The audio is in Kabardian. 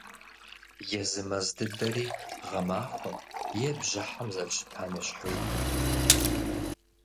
Езы мэз дыдэри гъэмахуэм е бжьыхьэм зэрыщытам ещхьыжкъым.